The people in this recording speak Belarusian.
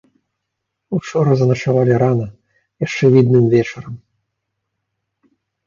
Учора заначавалі рана, яшчэ відным вечарам.